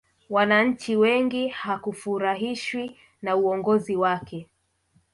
wananchi wengi hakufurahishwi na uongozi wake